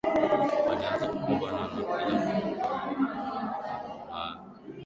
walianza kupambana na kila Mzungu waliyekutana naye kwa kumpiga kwa boga